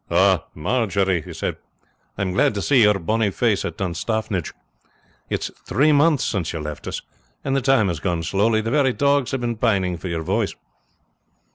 "Ah! Marjory!" he said, "I am glad to see your bonny face at Dunstaffnage. It is three months since you left us, and the time has gone slowly; the very dogs have been pining for your voice.